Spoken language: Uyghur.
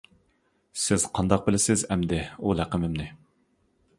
-سىز قانداق بىلىسىز ئەمدى ئۇ لەقىمىمنى.